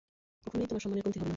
কখনই তোমার সম্মানের কমতি হবে না।